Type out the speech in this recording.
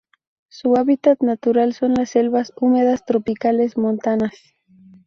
Su hábitat natural son las selvas húmedas tropicales montanas.